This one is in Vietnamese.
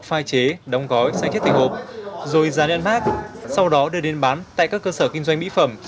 phai chế đóng gói xay chết tỉnh hộp rồi ra đi ăn bát sau đó đưa đến bán tại các cơ sở kinh doanh mỹ phẩm